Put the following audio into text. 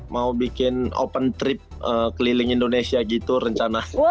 mau bikin open trip keliling indonesia gitu rencana